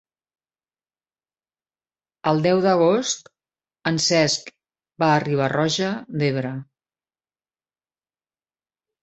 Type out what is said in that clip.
El deu d'agost en Cesc va a Riba-roja d'Ebre.